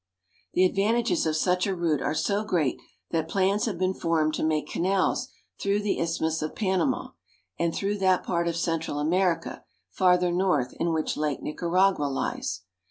The advantages of such a route are so great that plans have been formed to make canals through the Isthmus of Panama, and through that part of Central America, farther north, in which Lake Nicaragua lies.